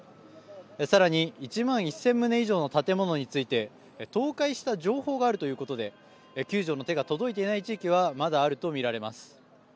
さらに１万１０００棟以上の建物について倒壊した情報があるということで救助の手が届いていない地域はまだあると見られます。